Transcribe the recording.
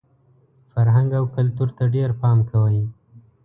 فرهنګ او کلتور ته ډېر پام کوئ!